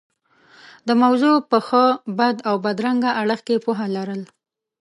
د موضوع په ښه، بد او بدرنګه اړخ کې پوهه لرل.